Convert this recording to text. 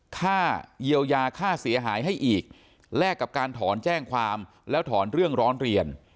แรกกับการถอนแจ้งความแล้วถอนเรื่องร้อนเรียน